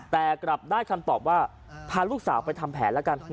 แต่กลับได้คำตอบว่าพาลูกสาวไปทำแผนแล้วกัน